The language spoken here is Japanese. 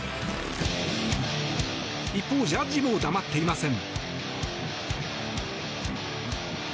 一方ジャッジも黙っていません。